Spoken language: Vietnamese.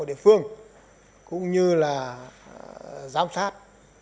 ở địa phương cũng như là giám sát